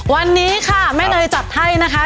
วันนี้ค่ะแม่เนยจัดให้นะคะ